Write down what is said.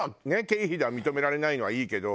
経費では認められないのはいいけど。